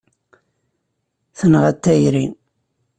Tenɣa-t tayri.